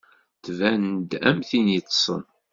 Tban-d am tin yeṭṭsen.